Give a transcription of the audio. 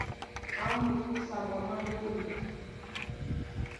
A mukúsa mamá nyólo.